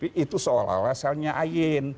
tapi itu seolah olah selnya ayin